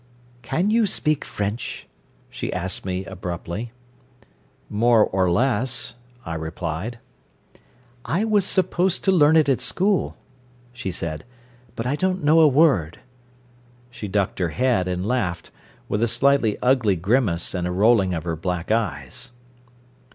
"Can you speak French?" she asked me abruptly. "More or less," I replied. "I was supposed to learn it at school," she said. "But I don't know a word." She ducked her head and laughed, with a slightly ugly grimace and a rolling of her black eyes.